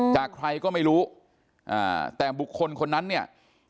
จากใครก็ไม่รู้อ่าแต่บุคคลคนนั้นเนี่ย